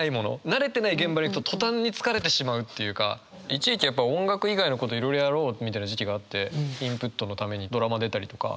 慣れてない現場に行くと途端に疲れてしまうっていうかいちいちやっぱ音楽以外のこといろいろやろうみたいな時期があってインプットのためにドラマ出たりとか。